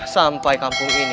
sampai kampung ini